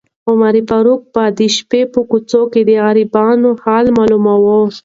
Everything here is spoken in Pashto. عمر فاروق به د شپې په کوڅو کې د غریبانو حال معلوماوه.